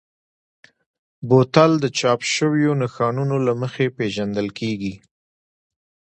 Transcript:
بوتل د چاپ شویو نښانونو له مخې پېژندل کېږي.